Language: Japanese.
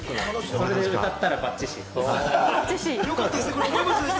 それで歌ったらバッチシです。